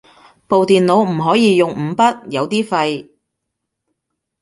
部電腦唔可以用五筆，有啲廢